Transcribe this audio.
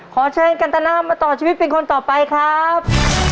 ขอเชิญกันตนามาต่อชีวิตเป็นคนต่อไปครับ